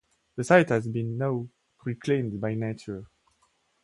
The site has now been reclaimed by nature.